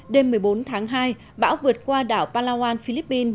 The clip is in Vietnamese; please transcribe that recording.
đêm một mươi bốn tháng hai bão vượt qua đảo palawan philippines